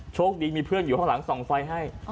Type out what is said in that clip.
โชคดีมีเพื่อนอยู่ข้างหลังส่องไฟให้